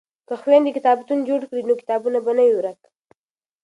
که خویندې کتابتون جوړ کړي نو کتاب به نه وي ورک.